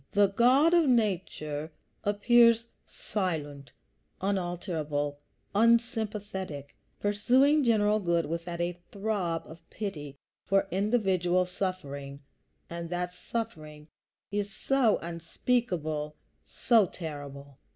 The God of nature appears silent, unalterable, unsympathetic, pursuing general good without a throb of pity for individual suffering; and that suffering is so unspeakable, so terrible!